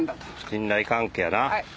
信頼関係やな。